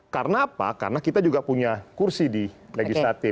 karena apa karena kita juga punya kursi di legislatif